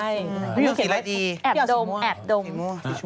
อาจจะแอบดม